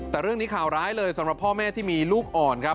แต่เรื่องนี้ข่าวร้ายเลยสำหรับพ่อแม่ที่มีลูกอ่อนครับ